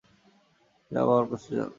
যাও, বাবার কাছে যাও।